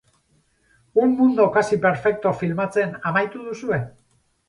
Un mundo casi perfecto filmatzen amaitu duzue?